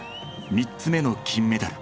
３つ目の金メダル。